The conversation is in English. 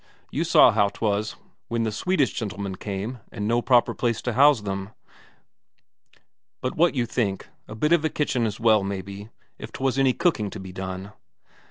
You saw how 'twas when they Swedish gentlemen came, and no proper place to house them. But what you think: a bit of a kitchen as well, maybe, if 'twas any cooking to be done?"